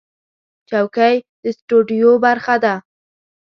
چوکۍ د سټوډیو برخه ده.